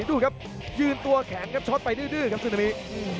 ดูครับยืนตัวแข็งครับช็อตไปดื้อครับซึนามิ